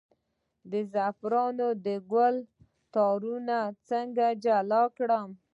د زعفرانو د ګل تارونه څنګه جلا کړم؟